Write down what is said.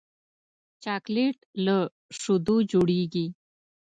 چاکلېټ له شیدو جوړېږي.